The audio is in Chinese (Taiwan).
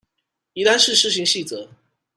宜蘭市施行細則